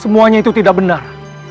semuanya itu tidak benar